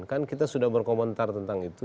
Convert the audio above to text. kan kita sudah berkomentar tentang itu